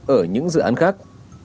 ở những dự án khác